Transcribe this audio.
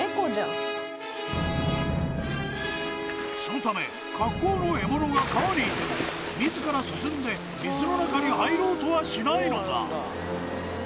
そのためかっこうの獲物が川にいても自ら進んで水の中に入ろうとはしないのだ